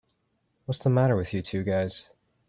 What's the matter with you two guys?